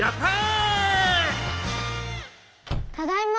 ただいま。